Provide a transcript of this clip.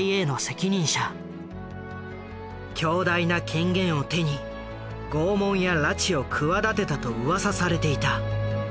強大な権限を手に拷問や拉致を企てたと噂されていた。